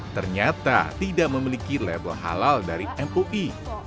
ternyata tidak memiliki label halal dari mui